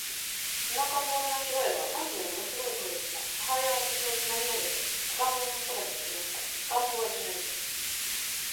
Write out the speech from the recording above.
その赤ん坊の泣声は、なんとももの凄い声でした。母親は私をつまみ上げて、赤ん坊の傍に置きました。赤ん坊は、いきなり、